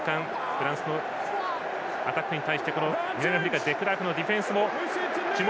フランスのアタックに対して南アフリカデクラークのディフェンスも注目。